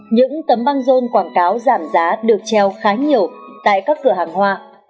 những tấm băng rôn quảng cáo giảm giá được treo khá nhiều tại các cửa hàng hoa